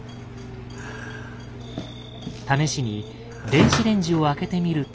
試しに電子レンジを開けてみると。